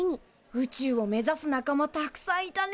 宇宙を目ざす仲間たくさんいたね。